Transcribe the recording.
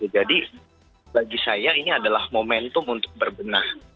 jadi bagi saya ini adalah momentum untuk berbenah